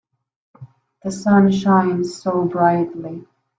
The sun shines so brightly.